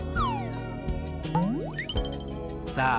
さあ